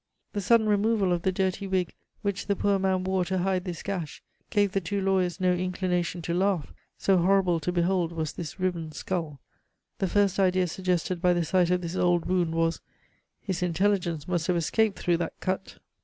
The sudden removal of the dirty wig which the poor man wore to hide this gash gave the two lawyers no inclination to laugh, so horrible to behold was this riven skull. The first idea suggested by the sight of this old wound was, "His intelligence must have escaped through that cut."